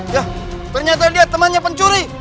yah ternyata dia temannya pencuri